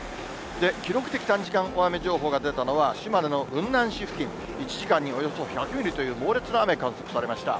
記録的短時間大雨情報が出たのは、島根の雲南市付近、１時間におよそ１００ミリという猛烈な雨、観測されました。